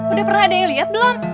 udah pernah ada yang lihat belum